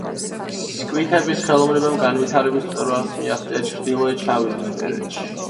სკვითების ხელოვნებამ განვითარების მწვერვალს მიაღწია ჩრდილოეთ შავიზღვისპირეთში.